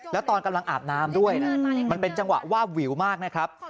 แล้วตอนกำลังอาบน้ำด้วยนะมันเป็นจังหวะวาบวิวมากนะครับ